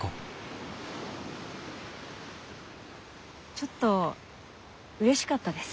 ちょっとうれしかったです。